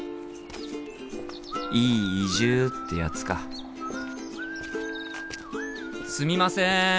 いい移住ってやつかすみません！